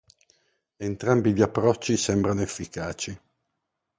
Entrambi gli approcci sembrano efficaci.